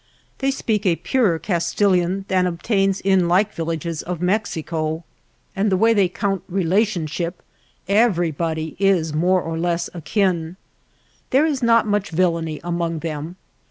They speak a purer Castilian than obtains in like villages of Mexico, and the way they count relationship 280 THE LITTLE TOWN OF THE GRAPE VINES everybody is more or less akin. There is not much villainy among them.